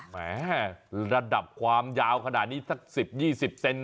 แหมระดับความยาวขนาดนี้สัก๑๐๒๐เซน